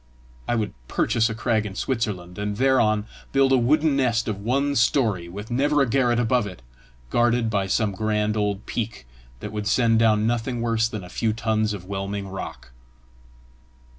I would purchase a crag in Switzerland, and thereon build a wooden nest of one story with never a garret above it, guarded by some grand old peak that would send down nothing worse than a few tons of whelming rock!